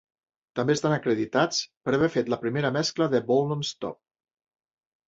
També estan acreditats per haver fet la primera mescla de ball non stop.